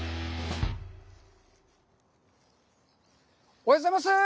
おはようございます。